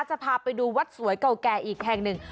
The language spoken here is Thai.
จะพาไปดูวัดสวยเก่าแก่อีกแห่งหนึ่ง